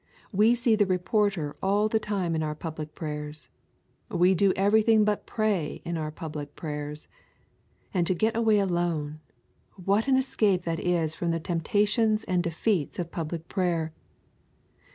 We see the reporters all the time in our public prayers. We do everything but pray in our public prayers. And to get away alone, what an escape that is from the temptations and defeats of public prayer!